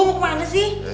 mau ke mana sih